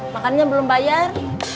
makannya belum bayar